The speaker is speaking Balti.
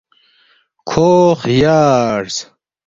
کھو خیارس